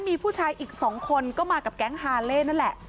มีผู้ชายอีก๒คนก็มากับแก๊งฮาเล่